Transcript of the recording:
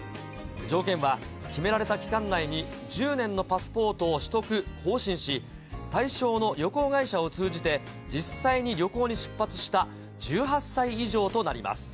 条件は、決められた期間内に１０年のパスポートを取得・更新し、対象の旅行会社を通じて、実際に旅行に出発した１８歳以上となります。